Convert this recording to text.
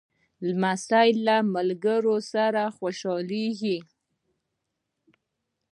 لمسی له ملګرو سره خوشحالېږي.